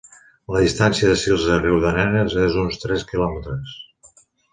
La distància de Sils a Riudarenes és d'uns tres quilòmetres.